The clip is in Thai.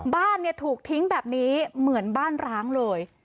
บ้านเนี่ยถูกทิ้งแบบนี้เหมือนบ้านร้างเลย